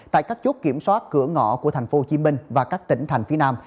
tại các chốt kiểm soát cửa ngõ của tp hcm và các tỉnh thành phía nam